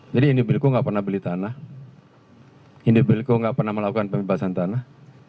jadi indobilco enggak pernah beli tanah indobilco enggak pernah melakukan pembebasan tanah